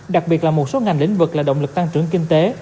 đặc biệt là một số ngành lĩnh vực là động lực tăng trưởng kinh tế